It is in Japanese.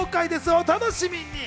お楽しみに。